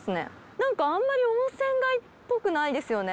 なんかあんまり温泉街っぽくないですよね。